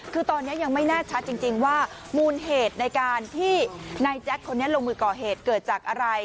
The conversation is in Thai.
คือตอนนี้ยังไม่แน่ชัดจริงว่ามูลเหตุในการที่นายแจ๊คคนนี้ลงมือก่อเหตุเกิดจากอะไร